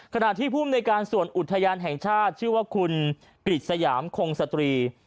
ขณะที่ภูมิในการส่วนอุทยานแห่งชาติชื่อว่าคุณกฤษยามคงสตรี